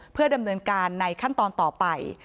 เพื่อดำเนินการในขั้นตอนต่อไป